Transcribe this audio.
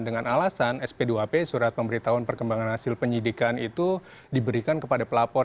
dengan alasan sp dua p surat pemberitahuan perkembangan hasil penyidikan itu diberikan kepada pelapor